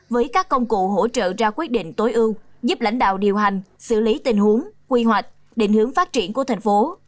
với các công cụ hỗ trợ ra quyết định tối ưu giúp lãnh đạo điều hành xử lý tình huống quy hoạch định hướng phát triển của thành phố